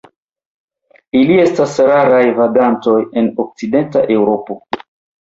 Ili estas raraj vagantoj en Okcidenta Eŭropo.